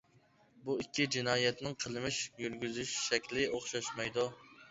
بۇ ئىككى جىنايەتنىڭ قىلمىش يۈرگۈزۈش شەكلى ئوخشاشمايدۇ.